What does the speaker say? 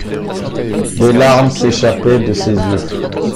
Des larmes s’échappaient de ses yeux.